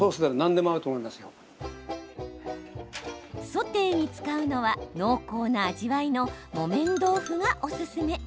ソテーに使うのは濃厚な味わいの木綿豆腐がおすすめ。